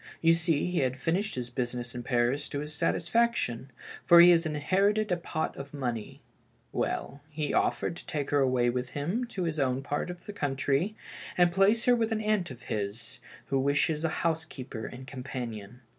You see, he had finished his business in Paris to his satisfaction, for he has inherited a pot of money. Well, he offered to take her away with him to his own part of the coun try, and place her with an aunt of his, who wants a housekeeper and companion."